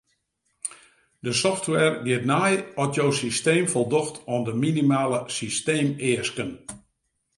De software giet nei oft jo systeem foldocht oan de minimale systeemeasken.